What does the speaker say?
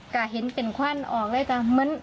ก็เห็นเป็นควันออกเลยจ้ะ